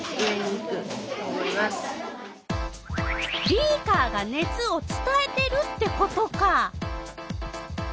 ビーカーが熱をつたえてるってことか。